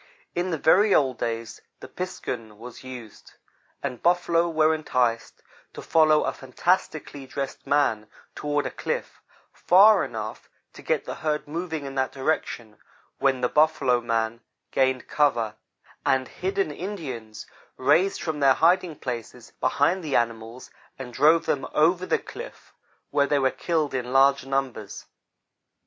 In the very old days the "piskun" was used, and buffalo were enticed to follow a fantastically dressed man toward a cliff, far enough to get the herd moving in that direction, when the "buffalo man" gained cover, and hidden Indians raised from their hiding places behind the animals, and drove them over the cliff, where they were killed in large numbers.